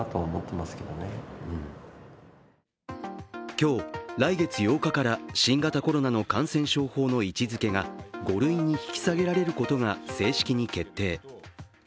今日、来月８日から新型コロナの感染症法の位置づけが５類に引き下げられることが正式に決定。